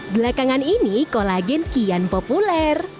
belakangan ini kolagen kian populer